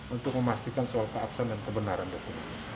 untuk memastikan soal keabsahan dan kebenaran dokumen